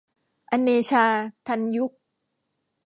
อเนชา ทันยุค